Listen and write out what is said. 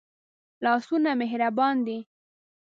لاسونه مهربان دي